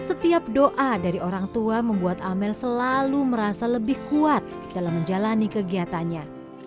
dan setiap doa dari orang tua membuat amel selalu merasa lebih kuat dalam menjalani kegiatannya